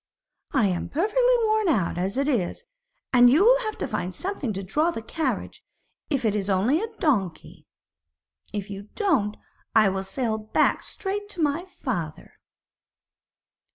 'I am perfectly worn out as it is, and you will have to find something to draw the carriage, if it is only a donkey. If you don't, I will sail back straight to my father.'